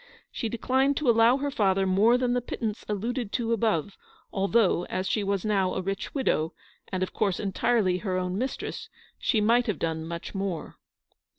She declined to allow her father more than the pittance alluded to above ; although, as she was now a rich widow, and of course entirely her own mistress, she might have done much more.